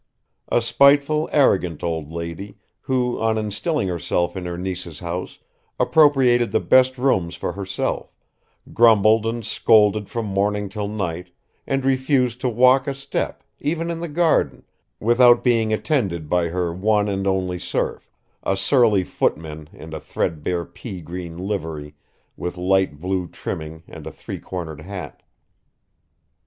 a spiteful, arrogant old lady who, on installing herself in her niece's house, appropriated the best rooms for herself, grumbled and scolded from morning till night and refused to walk a step, even in the garden, without being attended by her one and only serf, a surly footman in a threadbare pea green livery with light blue trimming and a three cornered hat.